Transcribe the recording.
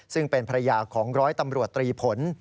ซึ่งเป็นภรรยาของร้อยตำรวจตรีผล